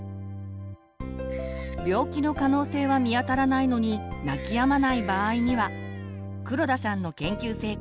病気の可能性は見当たらないのに泣きやまない場合には黒田さんの研究成果。